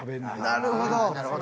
なるほど。